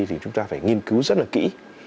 thì chúng ta phải nghiên cứu rất là kỹ